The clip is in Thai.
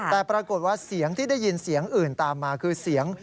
แต่ปรากฏว่าเสียงที่ได้ยินเสียงอื่นตามมาคือเสียง